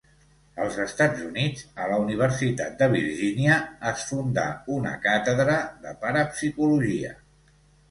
Als Estats Units, a la Universitat de Virgínia, es fundà una càtedra de parapsicologia.